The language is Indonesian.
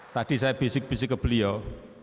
tadi saya bisik bisik ke beliau